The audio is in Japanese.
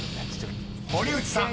［堀内さん］